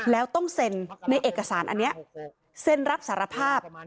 แล้วต้องเซ็นในเอกสารอันนี้เซ็นรับสารภาพ